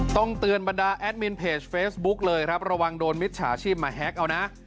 ต้องเตือนบรรดาแอดมินเพจเฟซบุ๊คเลยครับระวังโดนมิจฉาชีพมาแฮ็กเอานะ